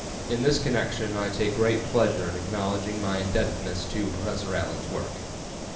In this connection I take great pleasure in acknowledging my indebtedness to Professor Allen's work.